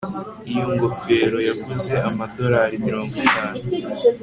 Iyo ngofero yaguze amadorari mirongo itanu